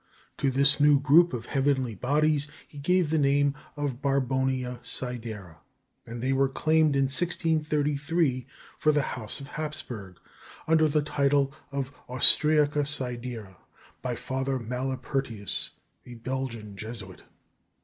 To this new group of heavenly bodies he gave the name of "Borbonia Sidera," and they were claimed in 1633 for the House of Hapsburg, under the title of "Austriaca Sidera" by Father Malapertius, a Belgian Jesuit.